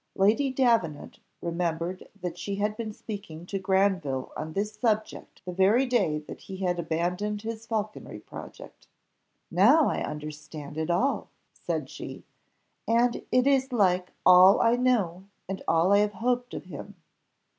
Lady Davenant remembered that she had been speaking to Granville on this subject the very day that he had abandoned his falconry project. "Now I understand it all," said she; "and it is like all I know and all I have hoped of him.